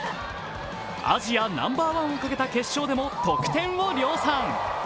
アジアナンバーワンをかけた決勝でも得点を量産。